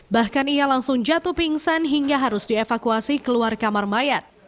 bahkan ia langsung jatuh pingsan hingga harus dievakuasi keluar kamar mayat